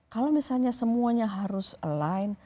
kalau misalnya semuanya harus aline